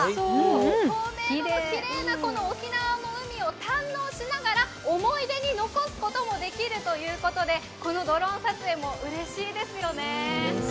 透明度のきれいなこの沖縄の海を堪能しながら思い出に残すこともできるということで、このドローン撮影もうれしいですよね。